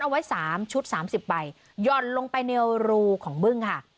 เอาไว้สามชุดสามสิบใบยอดลงไปในรูของมึงค่ะ